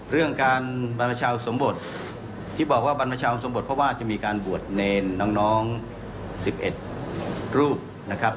เรื่องการบรรพชาวสมบทที่บอกว่าบรรพชาวสมบทเพราะว่าจะมีการบวชเนรน้อง๑๑รูปนะครับ